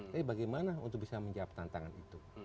tapi bagaimana untuk bisa menjawab tantangan itu